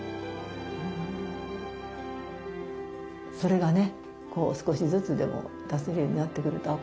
それがね少しずつでも出せるようになってくるとあっ